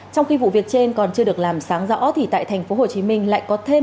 trong khi vụ việc trên còn chưa được làm sáng rõ thì tại tp hcm lại có thêm